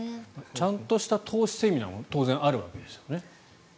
ちゃんとした投資セミナーもあるわけですよね。